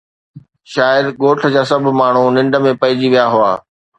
شايد ڳوٺ جا سڀ ماڻهو ننڊ ۾ پئجي ويا هئا